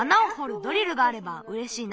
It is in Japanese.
ドリルがあればうれしいな。